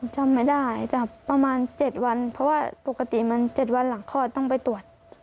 จำไม่ได้ประมาณ๗วันเพราะว่าปกติมัน๗วันหลังคลอดต้องไปตรวจ